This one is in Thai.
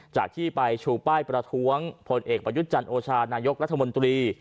จากที่ไปชูป้ายประท้วงพลเอกประยุทธ์จันทร์โอชานายกรัฐมนตรี